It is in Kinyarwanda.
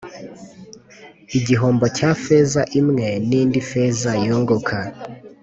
igihombo cya feza imwe nindi feza yunguka